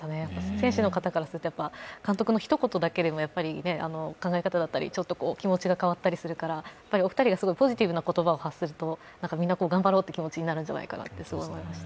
選手の方からすると監督の一言だけでも考え方だったりちょっと気持ちが変わったりするから、お二人がすごいポジティブな言葉を発するとみんな頑張ろうという気持ちになるんじゃないかなと思いました。